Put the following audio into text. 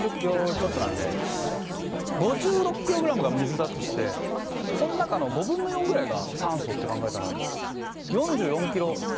ちょっとなんで５６ｋｇが水だとしてその中の５分の４ぐらいが酸素って考えたら４４ｋｇぐらいになるんですよ。